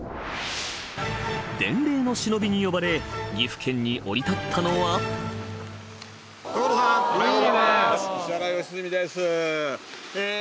伝令の忍びに呼ばれ岐阜県に降り立ったのはおっさすが。え！